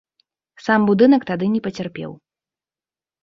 Сам будынак тады не пацярпеў.